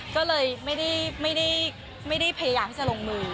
ก็เลยไม่ได้ไม่ได้ไม่ได้พยายามจะลงมือ